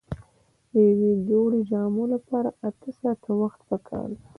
د یوې جوړې جامو لپاره اته ساعته وخت پکار دی.